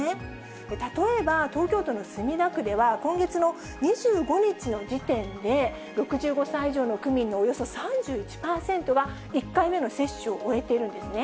例えば東京都の墨田区では、今月の２５日の時点で、６５歳以上の区民のおよそ３１％は、１回目の接種を終えているんですね。